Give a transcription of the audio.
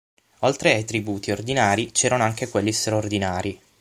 Oltre ai tributi ordinari c'erano anche quelli straordinari.